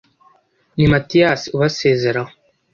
ni matiyasi ubasezeraho.